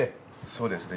そうですね。